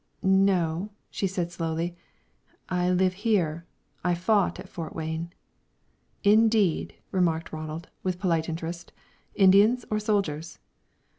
"No," she said slowly, "I live here. I fought at Fort Wayne." "Indeed!" remarked Ronald, with polite interest. "Indians or soldiers?"